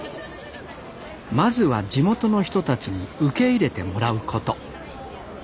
まずは地元の人たちに受け入れてもらうこと。